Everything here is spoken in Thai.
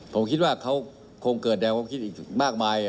ผมคิดว่าเขาคงจะจะเกิดเหตุแดงความคิดอีกมากมาย